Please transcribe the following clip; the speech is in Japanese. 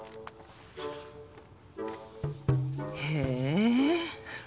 へえ。